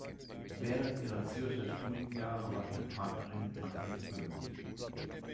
Während ihrer Zürcher Studienjahre war ihre Partnerin Margarethe Böhm.